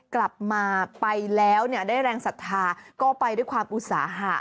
กลับมาไปแล้วเนี่ยได้แรงศรัทธาก็ไปด้วยความอุตสาหะ